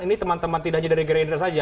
ini teman teman tidak hanya dari gerindra saja